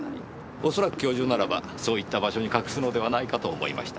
恐らく教授ならばそういった場所に隠すのではないかと思いました。